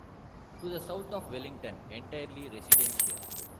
To the south of Wellington, entirely residential.